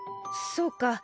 そうか。